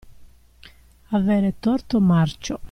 Avere torto marcio.